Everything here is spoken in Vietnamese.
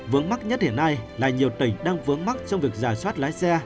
vướng mắt nhất hiện nay là nhiều tỉnh đang vướng mắt trong việc giả soát lái xe